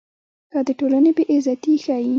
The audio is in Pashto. دا د ټولنې بې عزتي ښيي.